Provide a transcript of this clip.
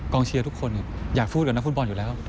เชียร์ทุกคนอยากพูดกับนักฟุตบอลอยู่แล้ว